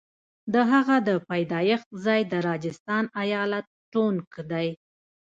د هغه د پیدایښت ځای د راجستان ایالت ټونک دی.